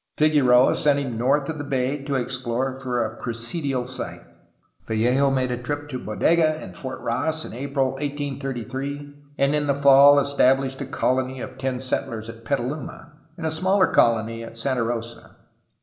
Figueroa sent him north of the bay to explore for a presidial site. Vallejo made a trip to Bodega and Fort Ross in April 1833, and in the fall established a colony of ten settlers at Petaluma and a smaller colony at Santa Rosa.